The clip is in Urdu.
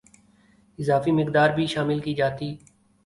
اضافی مقدار بھی شامل کی جاتی